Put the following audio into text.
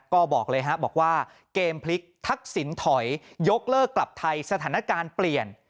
ก็บอกเลยฮะบอกว่าเกมพลิกทักษิณถอยยกเลิกกลับไทยสถานการณ์เปลี่ยน